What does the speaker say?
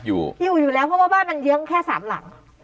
อยู่อยู่อยู่แล้วเพราะว่าบ้านมันเยื้องแค่สามหลัง